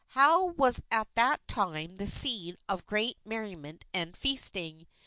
Hou was at that time the scene of great merriment and feasting.